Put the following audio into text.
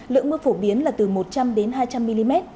lượng mưa phổ biến là từ một trăm linh đến hai trăm linh mm